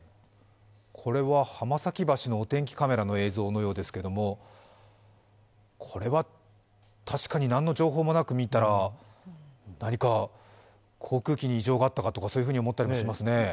これは浜崎橋のお天気カメラの映像のようですけどもこれは確かに何の情報もなく見たら、何か航空機に異常があったかとか、そういうふうに思ったりもしますね。